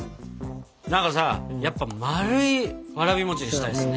何かさやっぱまるいわらび餅にしたいですね。